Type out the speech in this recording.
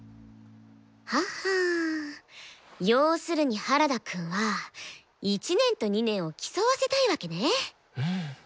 ははん要するに原田くんは１年と２年を競わせたいわけね。